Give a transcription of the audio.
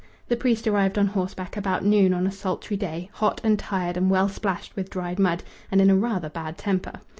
The priest arrived on horseback about noon on a sultry day, hot and tired and well splashed with dried mud, and in a rather bad temper.